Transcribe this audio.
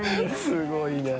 すごいね。